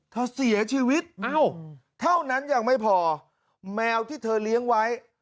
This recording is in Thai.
เธอเสียชีวิตเท่านั้นยังไม่พอแมวที่เธอเลี้ยงไว้